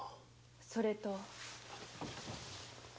それと。